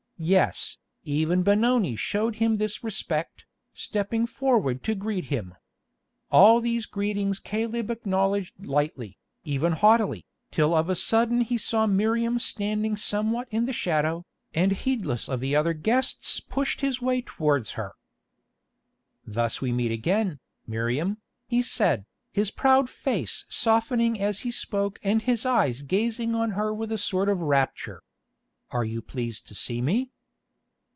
Yes, even Benoni showed him this respect, stepping forward to greet him. All these greetings Caleb acknowledged lightly, even haughtily, till of a sudden he saw Miriam standing somewhat in the shadow, and heedless of the other guests pushed his way towards her. "Thus we meet again, Miriam," he said, his proud face softening as he spoke and his eyes gazing on her with a sort of rapture. "Are you pleased to see me?"